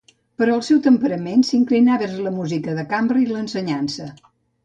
Però el seu temperament l'inclinà vers la música de cambra i l'ensenyança.